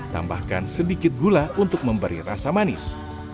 tambahkan sedikit gula untuk memberi rasa manis